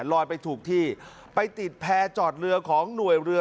ไปถูกที่ไปติดแพร่จอดเรือของหน่วยเรือ